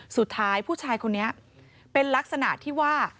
สุดท้ายผู้ชายคนนี้เป็นลักษณะที่ว่า